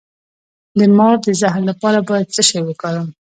د مار د زهر لپاره باید څه شی وکاروم؟